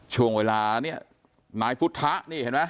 ช่วงเวลาเนี่ยนายพุทธะนี่เห็นไหม